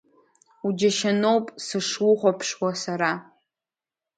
Уџьашьаноуп сышухәаԥшуа сара.